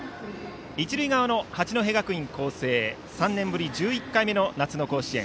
一塁側の八戸学院光星３年ぶり１１回目の夏の甲子園。